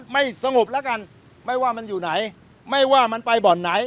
ไม่สงบแล้วกันไม่ว่ามันอยู่ไหนไม่ว่ามันไปบ่อนไหน